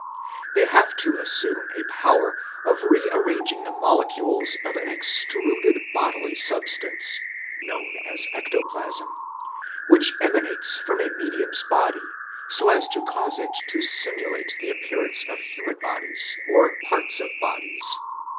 They have to assume a power of rearranging the molecules of an extruded bodily substance, known as ecto plasm, which emanates from a medium's body, so as to cause it to simulate the appearance of human bodies or parts of bodies.